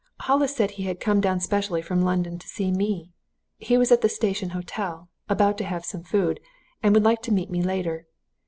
Hollis said he had come down specially from London to see me; he was at the Station Hotel, about to have some food, and would like to meet me later.